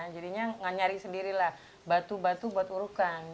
jadi enggak semua batu toh urukan gitu